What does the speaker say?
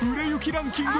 ランキング